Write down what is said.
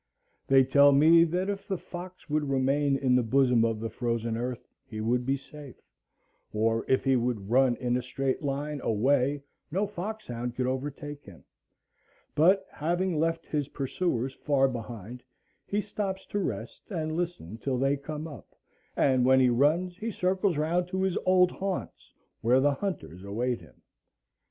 They tell me that if the fox would remain in the bosom of the frozen earth he would be safe, or if he would run in a straight line away no fox hound could overtake him; but, having left his pursuers far behind, he stops to rest and listen till they come up, and when he runs he circles round to his old haunts, where the hunters await him.